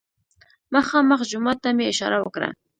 مخامخ جومات ته مې اشاره وکړه.